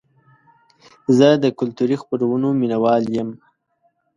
زه د کلتوري خپرونو مینهوال یم.